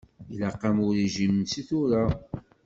Ilaq-am urijim seg tura.